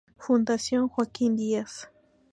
Fundación Joaquín Díaz.